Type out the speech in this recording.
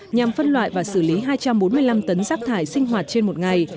nhằm phân loại và xử lý hai trăm bốn mươi năm tấn rác thải sinh hoạt trên một ngày